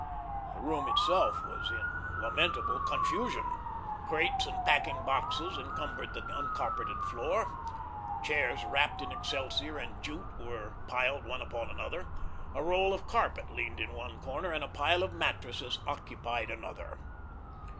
The room itself was in lamentable confusion. Crates and packing boxes encumbered the uncarpeted floor; chairs wrapped in excelsior and jute were piled one upon another; a roll of carpet leaned in one corner and a pile of mattresses occupied another.